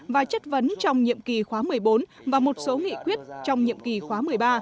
và chất vấn trong nhiệm kỳ khóa một mươi bốn và một số nghị quyết trong nhiệm kỳ khóa một mươi ba